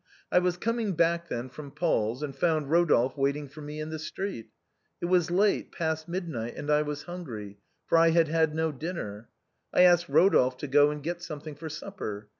" I was coming back then from Paul's and found Eodolphe waiting for me in the street. It was late, past midnight, and I was hungry, for I had had no dinner. I asked Eodolphe to go and get something for supper.